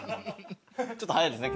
ちょっとはやいですね